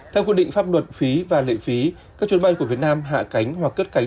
theo quy định pháp luật phí và lệ phí các chuyến bay của việt nam hạ cánh hoặc cất cánh